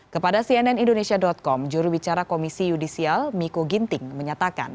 kepada cnn indonesia com jurubicara komisi yudisial miko ginting menyatakan